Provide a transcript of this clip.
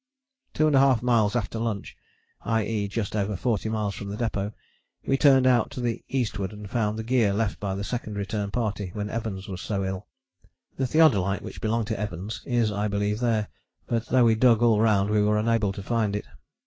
Two and a half miles after lunch, i.e. just over forty miles from the depôt, we turned out to the eastward and found the gear left by the Second Return Party, when Evans was so ill. The theodolite, which belonged to Evans, is I believe there, but though we dug all round we were unable to find it.